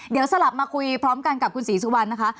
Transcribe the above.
เดี๋ยวสลับมาคุยพร้อมกันกับคุณศรีสุวรรณนะคะ